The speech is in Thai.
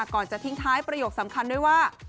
ก่อนจะทิ้งท้ายประโยคสำคัญด้วยว่า